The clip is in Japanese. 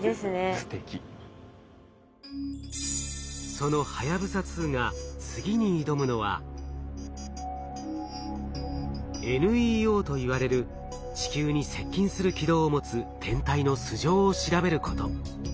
そのはやぶさ２が次に挑むのは「ＮＥＯ」といわれる地球に接近する軌道を持つ天体の素性を調べること。